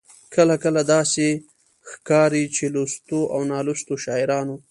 کله کله داسې ښکاري چې لوستو او نالوستو شاعرانو.